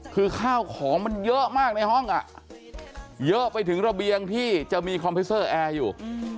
คือข้าวของมันเยอะมากในห้องเยอะไปถึงระเบียงที่จะมีคอมพิวเซอร์แอร์อยู่